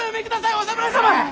お侍様！